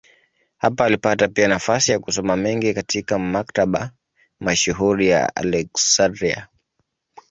Hapa alipata pia nafasi ya kusoma mengi katika maktaba mashuhuri ya Aleksandria.